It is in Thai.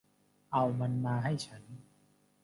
เอามันมาให้ฉัน